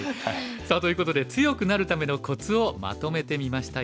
さあということで強くなるためのコツをまとめてみました。